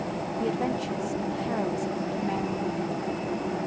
THE ADVENTURES AND HEROISM OF MARY READ.